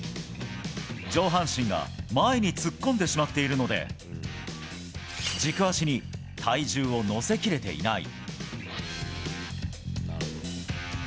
上半身が前に突っ込んでしまっているので、軸足に体重を乗せきれていない。